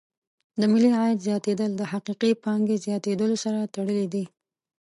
د ملي عاید زیاتېدل د حقیقي پانګې زیاتیدلو سره تړلې دي.